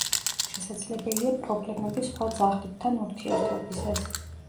შესაძლებელია პრობლემები სხვა ძაღლებთან ურთიერთობისას.